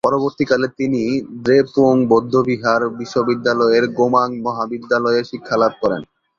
পরবর্তীকালে তিনি দ্রেপুং বৌদ্ধবিহার বিশ্ববিদ্যালয়ের গোমাং মহাবিদ্যালয়ে শিক্ষালাভ করেন।